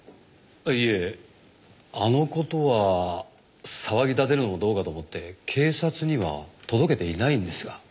いえあの事は騒ぎ立てるのもどうかと思って警察には届けていないんですが。